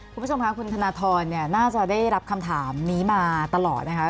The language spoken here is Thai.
คุณผู้ชมค่ะคุณธนทรน่าจะได้รับคำถามนี้มาตลอดนะคะ